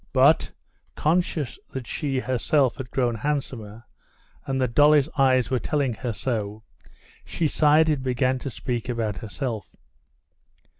But, conscious that she herself had grown handsomer, and that Dolly's eyes were telling her so, she sighed and began to speak about herself.